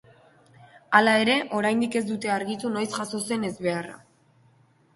Hala ere, oraindik ez dute argitu noiz jazo zen ezbeharra.